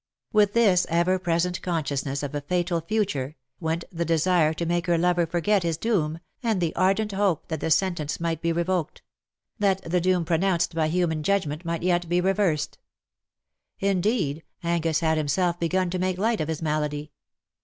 ^^ With this ever present consciousness of a fatal future, went the desire to make her lover forget his doom, and the ardent hope that the sentence might be revoked — that the doom pronounced by human 139 judgment might yet be reversed. Indeed^ Angus had himself begun to make light of his malady.